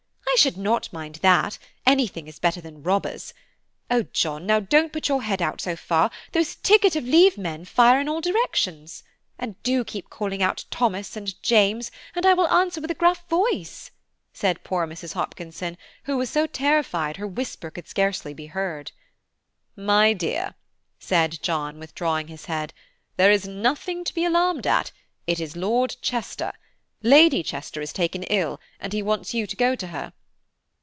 "I should not mind that–anything is better than robbers. Oh, John, now don't put your head out so far, those ticket of leave men fire in all directions. And do keep calling out Thomas and James, and I will answer with a gruff voice," said poor Mrs. Hopkinson, who was so terrified her whisper could scarcely be heard. "My dear," said John, withdrawing his head, "there is nothing to be alarmed at, it is Lord Chester; Lady Chester is taken ill, and he wants you to go to her."